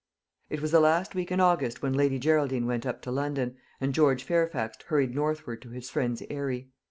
It was the last week in August when Lady Geraldine went up to London, and George Fairfax hurried northward to his Friend's aerie.